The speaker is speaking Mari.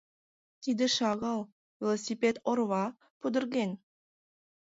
Тиде шагал, велосипед орва пудырген...